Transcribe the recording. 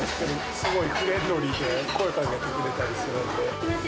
すごいフレンドリーで、声かけてくれたりするんで。